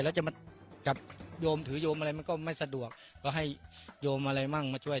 แล้วจะมาจับโยมถือโยมอะไรมันก็ไม่สะดวกก็ให้โยมอะไรมั่งมาช่วย